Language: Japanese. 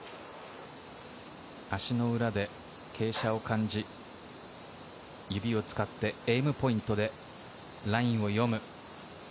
足の裏で傾斜を感じ、指を使ってゲームポイントでラインを読む。